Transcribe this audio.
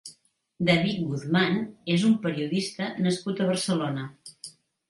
David Guzman és un periodista nascut a Barcelona.